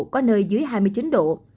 có nơi dưới hai mươi chín độ